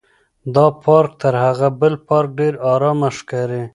دا پارک تر هغه بل پارک ډېر ارامه ښکاري.